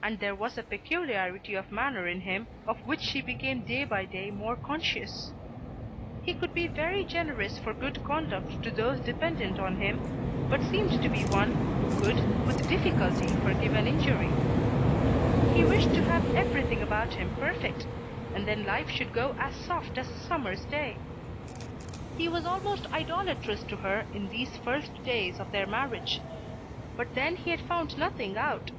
And there was a peculiarity of manner in him of which she became day by day more conscious. He could be very generous for good conduct to those dependent on him, but seemed to be one who could with difficulty forgive an injury. He wished to have everything about him perfect, and then life should go as soft as a summer's day. He was almost idolatrous to her in these first days of their marriage, but then he had found nothing out.